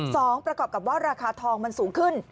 ประกอบกับว่าราคาทองมันสูงขึ้น